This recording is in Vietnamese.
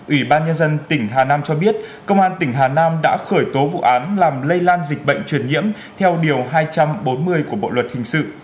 ủy ban nhân dân tỉnh hà nam cho biết công an tỉnh hà nam đã khởi tố vụ án làm lây lan dịch bệnh truyền nhiễm theo điều hai trăm bốn mươi của bộ luật hình sự